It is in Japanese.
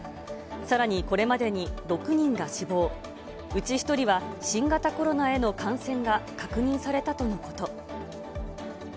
さらにこれまでに６人が死亡、うち１人は新型コロナへの感染が確認されたとのこと。